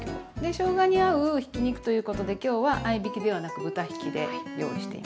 しょうがに合うひき肉ということで今日は合いびきではなく豚ひきで用意しています。